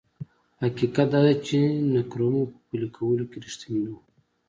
حقیقت دا دی چې نکرومه په پلي کولو کې رښتینی نه و.